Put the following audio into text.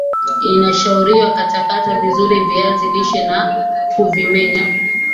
inashauriwa Katakata vizuri viazi lishe na kuvimenya